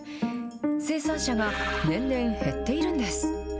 生産者が年々、減っているんです。